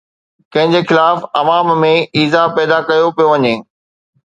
ڪنهن جي خلاف عوام ۾ ايذاءُ پيدا ڪيو پيو وڃي؟